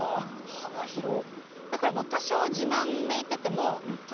幅広っ。